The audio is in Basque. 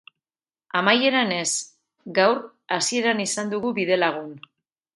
Amaieran ez, gaur, hasieran izan dugu bidelagun.